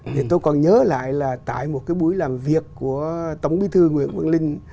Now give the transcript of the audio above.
thì tôi còn nhớ lại là tại một cái buổi làm việc của tổng bí thư nguyễn quang linh